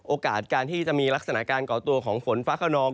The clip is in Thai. โอกาสการที่จะมีลักษณะการก่อตัวของฝนฟ้าขนอง